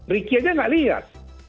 ricky aja nggak lihat